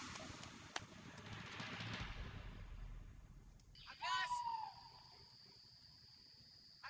mau jadi kayak gini sih salah buat apa